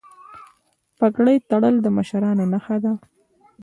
پګړۍ تړل د مشرانو نښه ده.